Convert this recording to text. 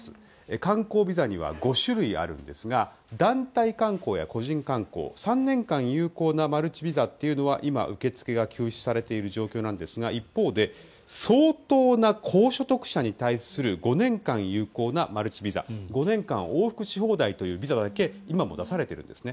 観光ビザには５種類あるんですが団体観光や個人観光３年間有効なマルチビザというのは今、受け付けが休止されている状況なんですが一方で相当な高所得者に対する５年間有効なマルチビザ５年間往復し放題というビザだけ今も出されているんですね。